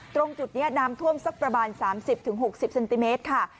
ตรงจุดนี้น้ำท่วมสักประมาณ๓๐๖๐เซนติเมตรค่ะ